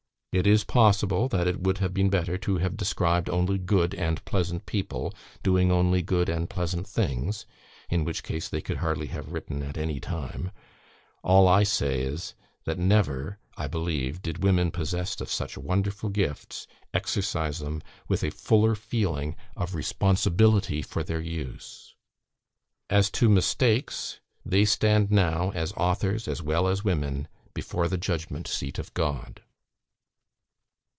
It is possible that it would have been better to have described only good and pleasant people, doing only good and pleasant things (in which case they could hardly have written at any time): all I say is, that never, I believe, did women, possessed of such wonderful gifts, exercise them with a fuller feeling of responsibility for their use. As to mistakes, stand now as authors as well as women before the judgment seat of God.